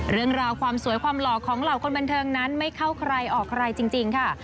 เรื่องราวความสวยความหล่อของเหล่าคนบันเทิงนั้นไม่เข้าใครออกใครจริงค่ะ